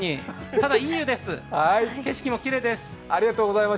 ただ、いい湯です、景色もきれいです。